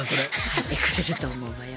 書いてくれると思うわよ。